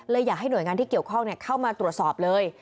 อยากให้หน่วยงานที่เกี่ยวข้องเข้ามาตรวจสอบเลย